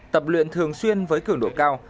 tập luyện thường xuyên với cường độ cao